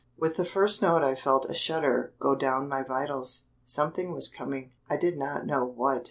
With the first note I felt a shudder go down my vitals. Something was coming, I did not know what.